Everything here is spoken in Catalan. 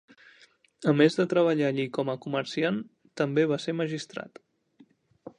A més de treballar allí com a comerciant, també va ser magistrat.